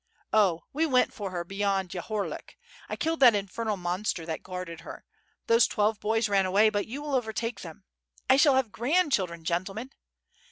Oh, we went for her beyond Yahorlik. I killed that infernal monster that guarded her. Those twelve boys ran away but you will overtake them. I shall have grandchildren, gentlemen.